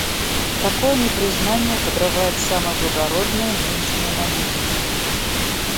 Такое непризнание подрывает самые благородные нынешние намерения.